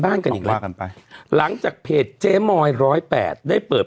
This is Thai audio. กันอีกแล้วกันไปหลังจากเพจเจ๊มอยร้อยแปดได้เปิด